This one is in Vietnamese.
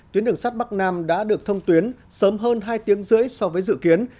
tuyến đường sắt bắc nam đã được thông tuyến sớm hơn hai tiếng rưỡi so với dự kiến